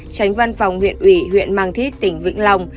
tránh văn phòng huyện ủy huyện mang thít tỉnh vĩnh long